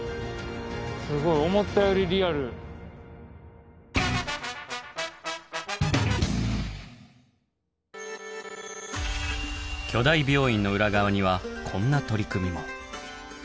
すごい巨大病院の裏側にはこんな取り組みも。